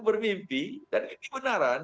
bermimpi dan ini benaran